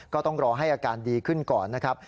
ก็ต้องรอให้อาการดีขึ้นก่อนนะครับ